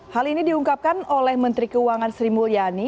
hal ini diungkapkan oleh menteri keuangan sri mulyani